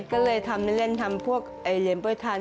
ก็เลยทำเลื่อนทำพวกเหรียญโปรยทาน